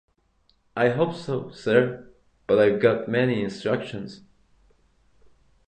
I hope so, sir; but I've got my instructions.